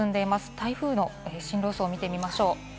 台風の進路様子を見てみましょう。